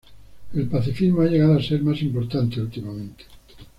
El pacifismo ha llegado a ser más importante últimamente.